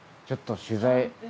ちょっと取材。